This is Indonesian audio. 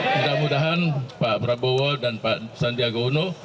mudah mudahan pak prabowo dan pak sandiaga uno